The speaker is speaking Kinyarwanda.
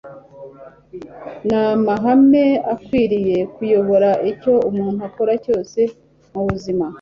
ni amahame akwiriye kuyobora icyo umuntu akora cyose mu buzima